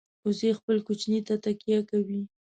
وزې خپل کوچني ته تکیه کوي